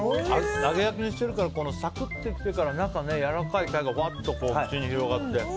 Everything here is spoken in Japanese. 揚げ焼きにしてるからサクッといってから中やわらかい鯛が口に広がって。